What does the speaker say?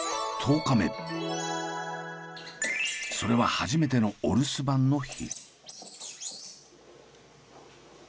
それは初めてのお留守番の日。